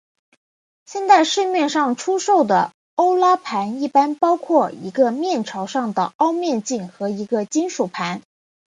现在市场上出售的欧拉盘一般包括一个面朝上的凹面镜和一个金属盘。